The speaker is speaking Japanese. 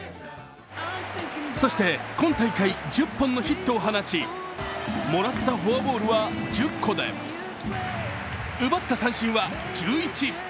そして今大会１０本のヒットを放ち、もらったフォアボールは１０個で奪った三振は１１。